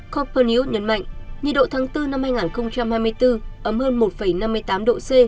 coppernios nhấn mạnh nhiệt độ tháng bốn năm hai nghìn hai mươi bốn ấm hơn một năm mươi tám độ c